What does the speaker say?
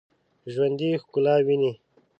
ژوندي ښکلا ویني